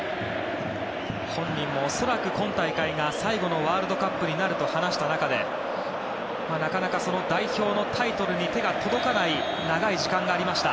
本人も恐らく今大会が最後のワールドカップになると話した中でなかなか代表のタイトルに手が届かない長い時間がありました。